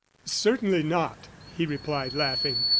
"Certainly not," he replied, laughing.